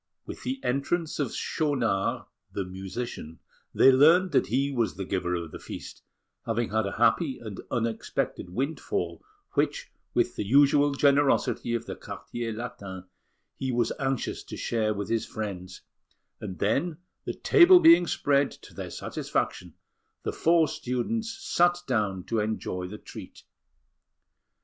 With the entrance of Schaunard, the musician, they learnt that he was the giver of the feast, having had a happy and unexpected windfall, which, with the usual generosity of the Quartier Latin, he was anxious to share with his friends; and then, the table being spread to their satisfaction, the four students sat down to enjoy the treat.